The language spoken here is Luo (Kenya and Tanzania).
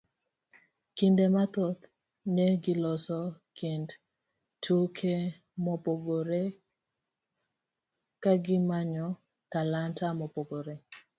Kinde mathoth ne giloso kind tuke mopogore kagimanyo talanta mopogore.